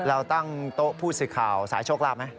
เราตั้งโต๊ะผู้สื่อข่าวสายโชคลาภไหม